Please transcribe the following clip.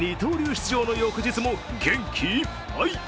出場の翌日も元気いっぱい！